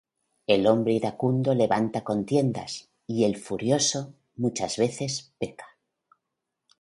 El hombre iracundo levanta contiendas; Y el furioso muchas veces peca.